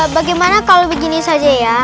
bagaimana kalau begini ya